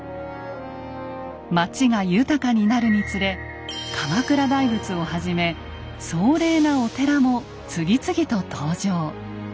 町が豊かになるにつれ鎌倉大仏をはじめ壮麗なお寺も次々と登場。